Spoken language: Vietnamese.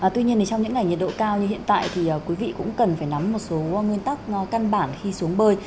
tuy nhiên trong những ngày nhiệt độ cao như hiện tại thì quý vị cũng cần phải nắm một số nguyên tắc căn bản khi xuống bơi